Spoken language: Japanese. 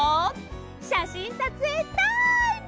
しゃしんさつえいタイム！